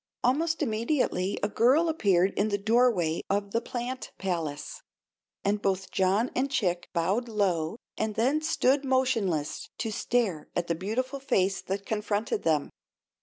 Almost immediately a girl appeared in the doorway of the plant palace, and both John and Chick bowed low and then stood motionless to stare at the beautiful face that confronted them.